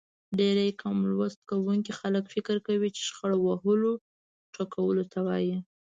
ډېری کم لوست کوونکي خلک فکر کوي چې شخړه وهلو ټکولو ته وايي.